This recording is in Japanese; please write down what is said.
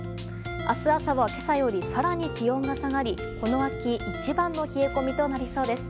明日朝は今朝より更に気温が下がりこの秋一番の冷え込みとなりそうです。